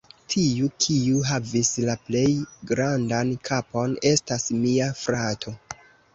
Tiu, kiu havis la plej grandan kapon, estas mia frato.